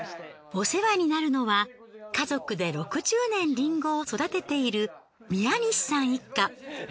お世話になるのは家族で６０年リンゴを育てている宮西さん一家。